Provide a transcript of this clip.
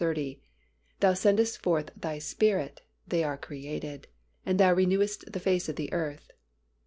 30, "Thou sendest forth Thy Spirit, they are created: and Thou renewest the face of the earth."